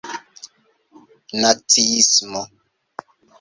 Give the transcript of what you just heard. naciismo